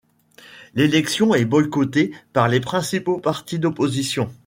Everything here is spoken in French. L'élection est boycottée par les principaux partis d'opposition.